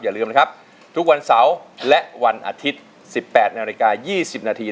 อย่าลืมนะครับทุกวันเสาร์และวันอาทิตย์๑๘นาฬิกา๒๐นาที